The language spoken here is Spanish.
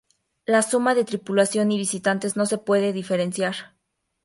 La suma de tripulación y visitantes no se puede diferenciar.